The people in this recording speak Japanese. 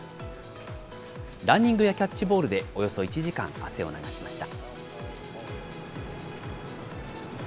ランニングやキャッチボールでおよそ１時間汗を流しました。